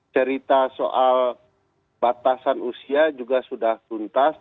cerita soal batasan usia juga sudah tuntas